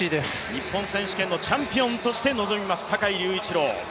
日本選手権のチャンピオンとして臨みます、坂井隆一郎。